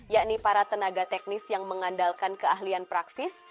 yakni para tenaga teknis yang mengandalkan keahlian praksis